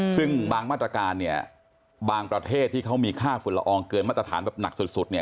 ซึ่งบางมาตรการเนี่ยบางประเทศที่เขามีค่าฝุ่นละอองเกินมาตรฐานแบบหนักสุดเนี่ย